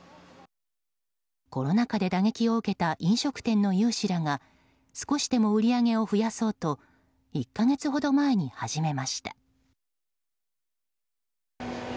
コロナ禍で打撃を受けた飲食店の有志らが少しでも売り上げを増やそうと１か月ほど前に始めました。